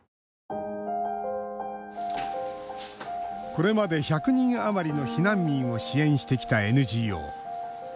これまで１００人余りの避難民を支援してきたＮＧＯ。